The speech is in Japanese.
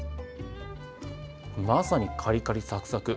まさにカリカリサクサク。